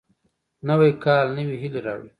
نوی کال نوې هیلې راوړي